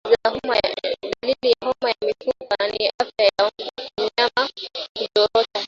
Dalili ya homa ya mapafu ni afya ya mnyama kuzorota